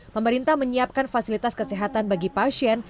pemerintah menyiapkan fasilitas kesehatan bagi pasien